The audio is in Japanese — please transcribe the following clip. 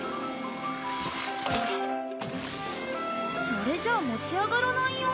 それじゃ持ち上がらないよ？